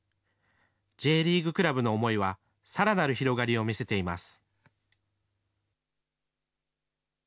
Ｊリーグクラブの思いは、さらなる広がりを見せています。